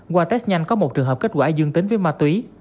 qua test nhanh có một trường hợp kết quả dương tính với ma túy